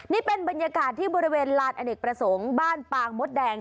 นี่เป็นบรรยากาศที่บริเวณลานอเนกประสงค์บ้านปางมดแดง